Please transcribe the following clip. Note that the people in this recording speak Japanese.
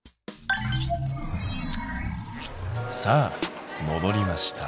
さあもどりました。